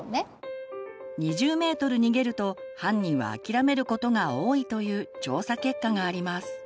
２０ｍ逃げると犯人はあきらめることが多いという調査結果があります。